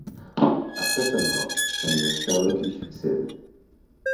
Après sa mort, sa nièce Charlotte lui succède.